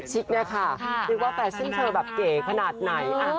คนชิคชิคเนี่ยค่ะคิดว่าแฟชั่นเธอแบบเก๋ขนาดไหน